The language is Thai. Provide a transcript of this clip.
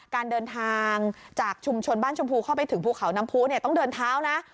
การเดินทางจากชุมชนบ้านชมพูเข้าไปถึงภูเขาน้ำผู้เนี่ยต้องเดินเท้านะ